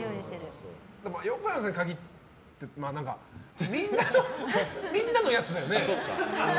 横山さんに限ってというかみんなのやつだよね。